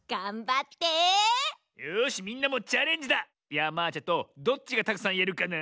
ヤマーチェとどっちがたくさんいえるかな。